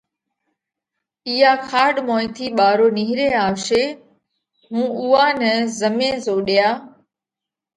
اِيئا کاڏ موئين ٿِي ٻارو نيهري آوشي هُون اُوئا نئہ زمي زوڏيا